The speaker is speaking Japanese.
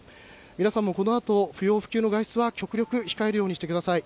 皆さんもこのあと、不要不急の外出は極力控えるようにしてください。